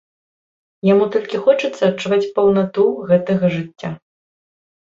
Яму толькі хочацца адчуваць паўнату гэтага жыцця.